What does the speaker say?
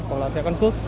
hoặc là xe căn cước